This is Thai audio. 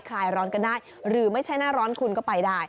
คลายร้อนกันได้หรือไม่ใช่หน้าร้อนคุณก็ไปได้